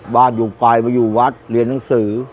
บ้านอยู่ปลายมาอยู่วัดเรียนหนังสือ